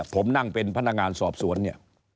ผมนั่งเป็นพนักงานสอบสวน